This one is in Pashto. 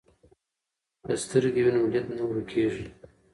که سترګې وي نو لید نه ورکیږي.